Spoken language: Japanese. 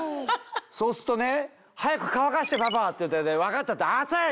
そうすっとね「早く乾かしてパパ！」って「分かった」って「熱い！」